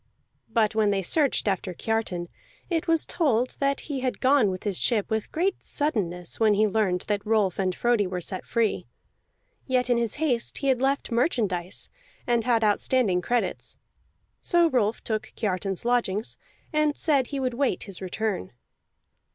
But when they searched after Kiartan, it was told that he had gone with his ship with great suddenness when he learned that Rolf and Frodi were set free. Yet in his haste he had left merchandise, and had outstanding credits; so Rolf took Kiartan's lodgings, and said he would wait his return.